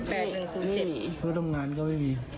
เพราะทำงานก็ไม่มี